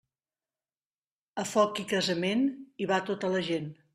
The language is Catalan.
A foc i casament, hi va tota la gent.